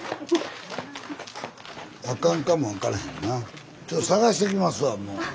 ちょっと捜してきますわもう。